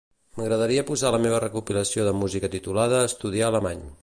M'agradaria posar la meva recopilació de música titulada "estudiar alemany".